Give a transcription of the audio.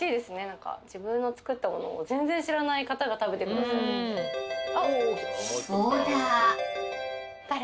何か自分の作ったものを全然知らない方が食べてくださるって「オーダー」誰？